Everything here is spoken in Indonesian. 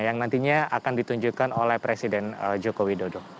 yang nantinya akan ditunjukkan oleh presiden jokowi dodo